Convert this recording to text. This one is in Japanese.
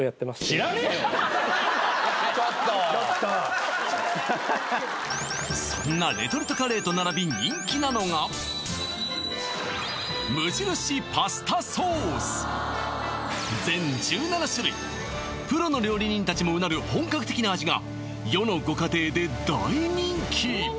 ちょっとそんなレトルトカレーと並び人気なのが全１７種類プロの料理人たちもうなる本格的な味が世のご家庭で大人気